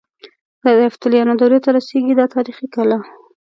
د یفتلیانو دورې ته رسيږي دا تاریخي کلا.